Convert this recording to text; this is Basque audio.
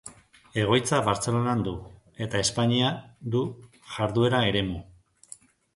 Egoitza Bartzelonan du, eta Espainia du jarduera eremu.